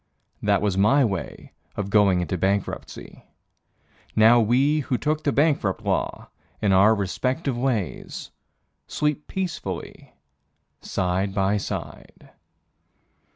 That was my way of going into bankruptcy. Now we who took the bankrupt law in our respective ways Sleep peacefully side by side.